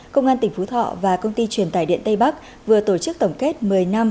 công an tỉnh phú thọ và công ty truyền tải điện tây bắc vừa tổ chức tổng kết một mươi năm